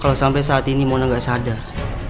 kalau sampai saat ini mona nggak sadar